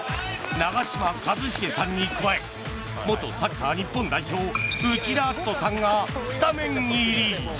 長嶋一茂さんに加え元サッカー日本代表内田篤人さんがスタメン入り。